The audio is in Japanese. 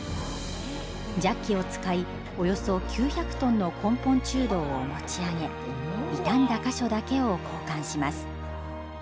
ジャッキを使いおよそ９００トンの根本中堂を持ち上げ、傷んだ個所だけを交換します。